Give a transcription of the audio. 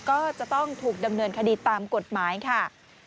ก็จะต้องถูกดำเนินคดีตามกฎหมายค่ะ